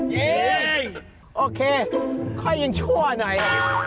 หรือใครกำลังร้อนเงิน